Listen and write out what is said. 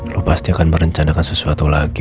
lo pasti akan merencanakan sesuatu lagi